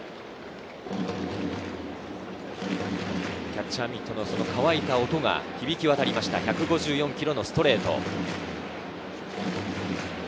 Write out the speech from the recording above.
キャッチャーミットの乾いた音が響き渡りました、１５４キロのストレート。